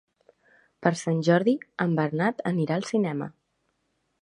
Per Sant Jordi en Bernat anirà al cinema.